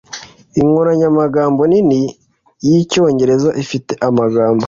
inkoranyamagambo nini y'icyongereza ifite amagambo